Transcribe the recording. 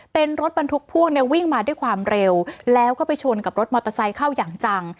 เป็นรถบรรทุกพ่วงเนี่ยวิ่งมาด้วยความเร็วแล้วก็ไปชนกับรถมอเตอร์ไซค์เข้าอย่างจัง